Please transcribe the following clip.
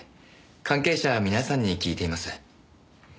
関係者皆さんに聞いています。